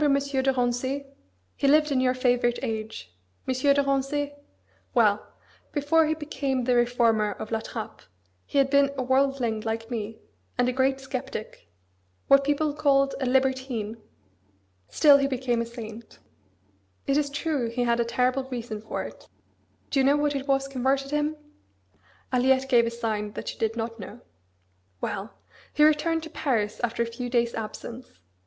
de Rancé? He lived in your favourite age; M. de Rancé. Well! before he became the reformer of La Trappe he had been a worldling like me, and a great sceptic what people called a libertine. Still he became a saint! It is true he had a terrible reason for it. Do you know what it was converted him?" Aliette gave a sign that she did not know. "Well! he returned to Paris after a few days' absence.